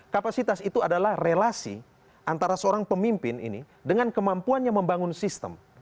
kapasitas itu adalah relasi antara seorang pemimpin ini dengan kemampuannya membangun sistem